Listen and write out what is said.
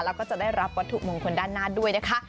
แล้วก็จะได้รับวัตถุมงคลด้านหน้าด้วยนะคะ